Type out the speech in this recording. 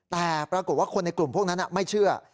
แต่ปรากฏว่าคนในกลุ่มพวกนั้นไม่เชื่อ